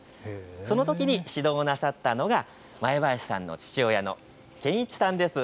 そのときに指導なさったのが前林さんの父親の健一さんです。